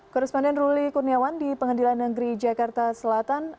korresponden ruli kurniawan di pengadilan negeri jakarta selatan